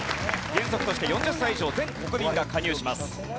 原則として４０歳以上全国民が加入します。